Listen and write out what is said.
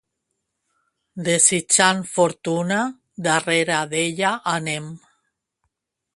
Desitjant fortuna, darrere d'ella anem.